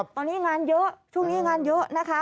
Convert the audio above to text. ตอนนี้งานเยอะช่วงนี้งานเยอะนะคะ